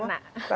dan terus anak